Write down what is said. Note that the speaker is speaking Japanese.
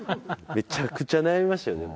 めちゃくちゃ悩みましたよでも。